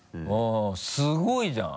すごいじゃん！